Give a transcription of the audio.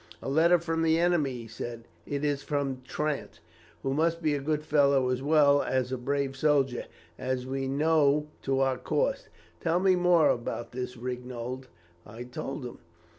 "'A letter from the enemy,' he said. 'It is from Trant, who must be a good fellow as well as a brave soldier, as we know to our cost. Tell me more about this, Rignold.' "I told him.